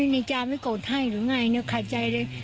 มีการไม่โกรธให้หรือไงขาดใจเลย